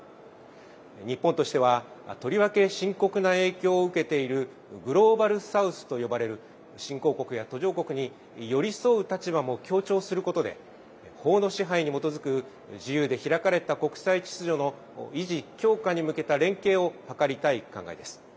日本としてはとりわけ、深刻な影響を受けているグローバル・サウスと呼ばれる新興国や途上国に寄り添う立場も強調することで法の支配に基づく自由で開かれた国際秩序の維持・強化に向けた連携を図りたい考えです。